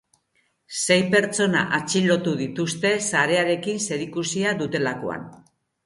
Sei pertsona atxilotu dituzte sarearekin zerikusia dutelakoan.